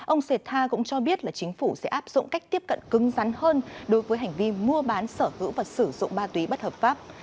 ông sethar cũng cho biết là chính phủ sẽ áp dụng cách tiếp cận cứng rắn hơn đối với hành vi mua bán sở hữu và sử dụng ma túy bất hợp pháp